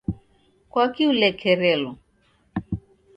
Kwaki ulekerelo?